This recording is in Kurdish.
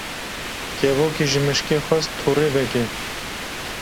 Kevokê ji mişkê xwest torê veke.